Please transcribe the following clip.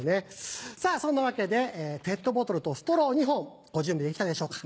さぁそんなわけでペットボトルとストロー２本ご準備できたでしょうか？